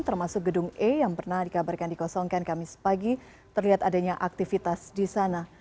termasuk gedung e yang pernah dikabarkan dikosongkan kamis pagi terlihat adanya aktivitas di sana